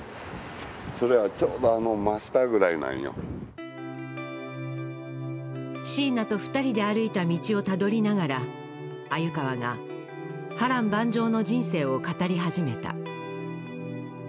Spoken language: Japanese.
それはちょうどあの真下ぐらいなんよシーナと二人で歩いた道をたどりながら鮎川が波乱万丈の人生を語り始めた